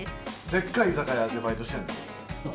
でっかい居酒屋でバイトしてんの？